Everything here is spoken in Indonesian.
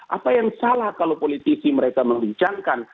apa yang salah kalau politisi mereka membincangkan